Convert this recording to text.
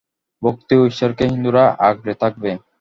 ভক্তি ও ঈশ্বরকে হিন্দুরা আঁকড়ে থাকবেই।